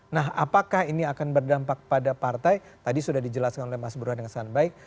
nah apakah ini akan berdampak pada partai tadi sudah dijelaskan oleh mas buruhan dengan sangat baik